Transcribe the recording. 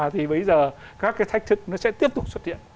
thì bấy giờ các cái thách thức nó sẽ tiếp tục xuất hiện